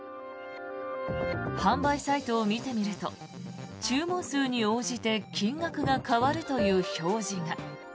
販売サイトを見てみると注文数に応じて金額が変わるという表示が。